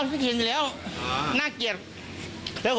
ลูกผมขึ้นเกลียดด้วย